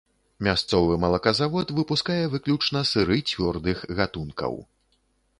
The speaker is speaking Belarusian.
Мясцовы малаказавод выпускае выключна сыры цвёрдых гатункаў.